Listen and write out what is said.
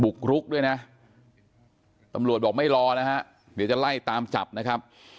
กรุกด้วยนะตำรวจบอกไม่รอนะฮะเดี๋ยวจะไล่ตามจับนะครับ